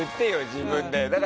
自分で。